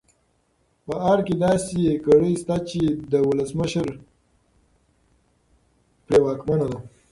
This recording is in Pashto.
په ارګ کې داسې کړۍ شته چې د ولسمشر پرې واکمنه ده.